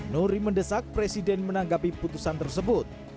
nuri mendesak presiden menanggapi putusan tersebut